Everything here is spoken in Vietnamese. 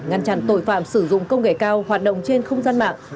ngăn chặn tội phạm sử dụng công nghệ cao hoạt động trên không gian mạng